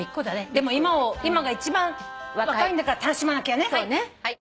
でも今が一番若いんだから楽しまなきゃね。